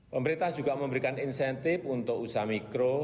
pemerintah juga memberikan insentif untuk usaha mikro